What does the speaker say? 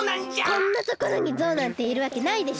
こんなところにゾウなんているわけないでしょ！？